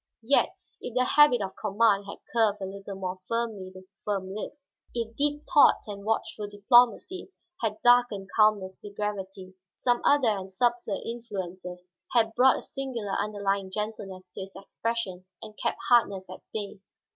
Yet if the habit of command had curved a little more firmly the firm lips, if deep thoughts and watchful diplomacy had darkened calmness to gravity, some other and subtler influences had brought a singular underlying gentleness to his expression and kept hardness at bay.